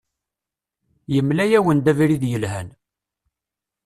Yemla-awen-d abrid yelhan.